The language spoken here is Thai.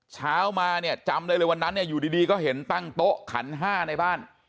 เช้ามาจำเลยวันนั้นอยู่ดีก็เห็นตั้งโต๊ะขันห้าในบ้าน